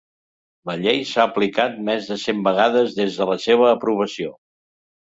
La Llei s'ha aplicat més de cent vegades des de la seva aprovació.